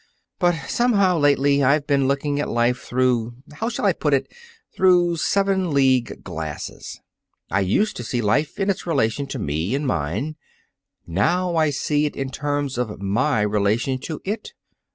But somehow, lately, I've been looking at life through how shall I put it? through seven league glasses. I used to see life in its relation to me and mine. Now I see it in terms of my relation to it.